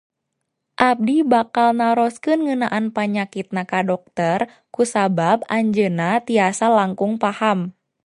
Abdi bakal naroskeun ngeunaan panyakitna ka dokter kusabab anjeunna tiasa langkung paham.